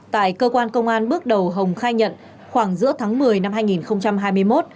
tại cơ quan công an bước đầu hồng khai nhận khoảng giữa tháng một mươi năm hai nghìn hai mươi một